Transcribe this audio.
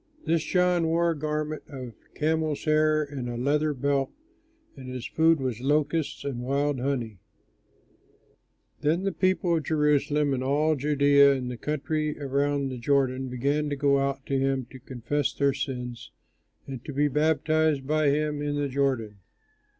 This John wore a garment of camel's hair and a leather belt, and his food was locusts and wild honey. Then the people of Jerusalem and all Judea and the country around the Jordan began to go out to him to confess their sins and to be baptized by him in the Jordan.